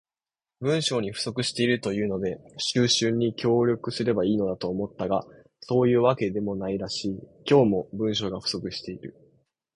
文章が不足しているというので収集に協力すれば良いのだと思ったが、そういうわけでもないらしい。今日も、文章が不足している。